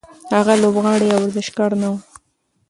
هغه لوبغاړی یا ورزشکار نه و.